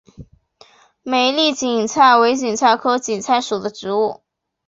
美丽堇菜为堇菜科堇菜属的植物。